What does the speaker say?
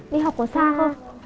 đi học ở xa không